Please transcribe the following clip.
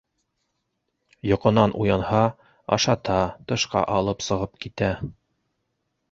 Йоҡонан уянһа, ашата, тышҡа алып сығып китә.